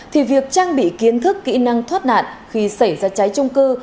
thì việc trang bị kiến thức kỹ năng thoát nạn khi xảy ra cháy trung cư